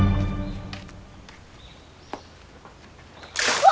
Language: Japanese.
うわ！